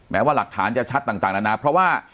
แม้ว่าหลักฐานจะชัดต่างต่างแล้วน่ะเพราะว่า